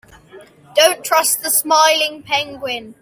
Don't trust the smiling penguin.